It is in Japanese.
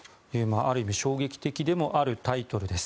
ある意味、衝撃的でもあるタイトルです。